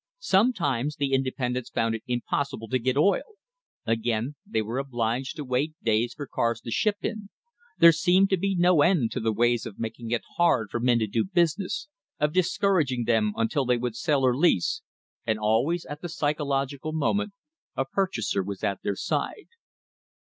Sometimes the independents found it impossible to get oil; again, they were obliged to wait days for cars to ship in; there seemed to be no end to the ways of making it hard for men to do business, of discourag ing therjn until they would sell or lease, and always at the LAYING THE FOUNDATIONS OF A TRUST psychological moment a purchaser was at their side.